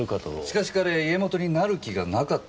しかし彼家元になる気がなかったそうで。